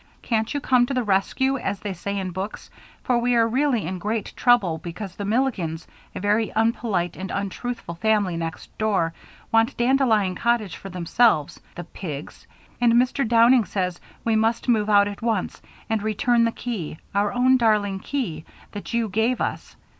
Cant you come to the reskew as they say in books for we are really in great trouble because the Milligans a very unpolite and untruthful family next door want dandelion cottage for themselves the pigs and Mr. Downing says we must move out at once and return the key our own darling key that you gave us.